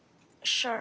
そう。